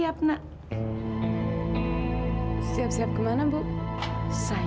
aku tahu kalau dia penuh memperkuasa sekretarinya sendiri